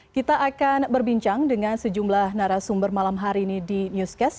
kita akan berbincang dengan sejumlah narasumber malam hari ini di newscast